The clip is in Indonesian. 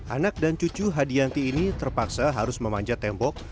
anak dan cucu hadianti ini terpaksa harus memanjat tembok